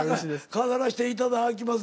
飾らしていただきます。